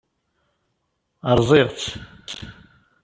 Rẓiɣ-tt.